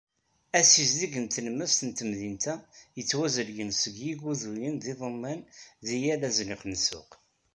Asizdeg n tlemmast n temdint-a yettwazelgen seg yiguduyen d yiḍumman deg yal azniq n ssuq.